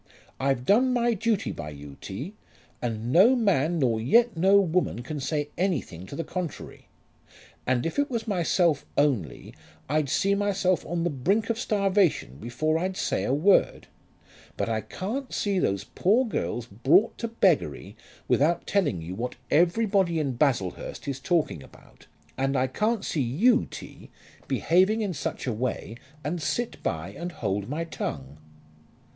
I've done my duty by you, T., and no man nor yet no woman can say anything to the contrary. And if it was myself only I'd see myself on the brink of starvation before I'd say a word; but I can't see those poor girls brought to beggary without telling you what everybody in Baslehurst is talking about; and I can't see you, T., behaving in such a way and sit by and hold my tongue."